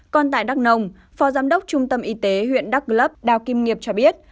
còn tại đắk nông phó giám đốc trung tâm y tế huyện đắk lấp đào kim nghiệp cho biết